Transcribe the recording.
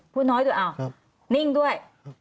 พูดน้อยด้วยอ้าวนิ่งด้วย